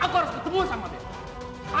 aku harus ketemu sama tim